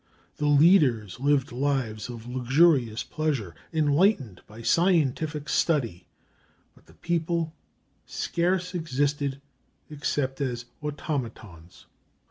The leaders lived lives of luxurious pleasure enlightened by scientific study; but the people scarce existed except as automatons.